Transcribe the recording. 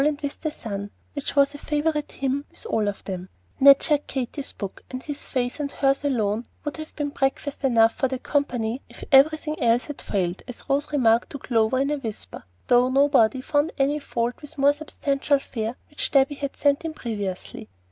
and with the sun," which was a favorite hymn with all of them. Ned shared Katy's book, and his face and hers alone would have been breakfast enough for the company if everything else had failed, as Rose remarked to Clover in a whisper, though nobody found any fault with the more substantial fare which Debby had sent in previously.